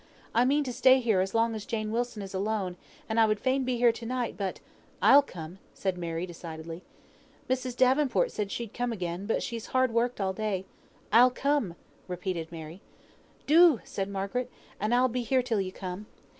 I mean to stay here as long as Jane Wilson is alone; and I would fain be here all to night, but " "I'll come," said Mary, decidedly. "Mrs. Davenport said she'd come again, but she's hard worked all day " "I'll come," repeated Mary. "Do!" said Margaret, "and I'll be here till you come.